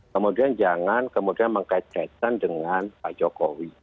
kemudian jangan mengkaitkan dengan pak jokowi